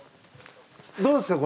どうですか